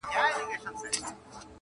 هرڅه څرنګه سي مړاوي هر څه څرنګه وچیږي -